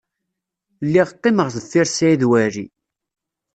Lliɣ qqimeɣ deffir Saɛid Waɛli.